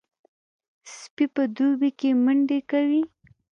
سپي په دوبي کې منډې کوي.